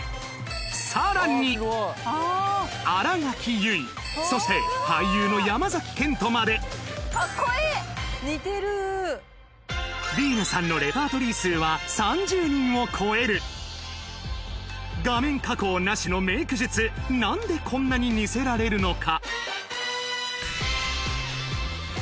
さらに新垣結衣そして俳優の山賢人までりいなさんのレパートリー数は３０人を超える画面加工なしのメイク術何でこんなに似せられるのか？